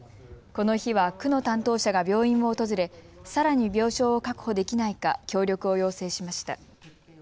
この日は区の担当者が病院を訪れさらに病床を確保できないか協力を要請しました。